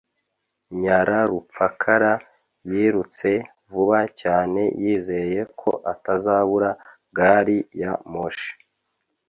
Nyararupfakara yirutse vuba cyane yizeye ko atazabura gari ya moshi.